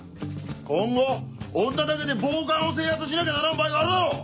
今後女だけで暴漢を制圧しなきゃならん場合があるだろう！